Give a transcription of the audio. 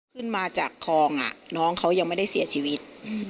ขึ้นมาจากคลองอ่ะน้องเขายังไม่ได้เสียชีวิต